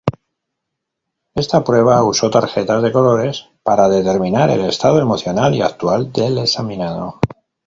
Esta prueba usó tarjetas de colores para determinar el estado emocional actual del examinado.